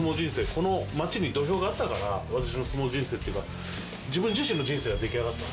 この町に土俵があったから私の相撲人生っていうか自分自身の人生が出来上がった。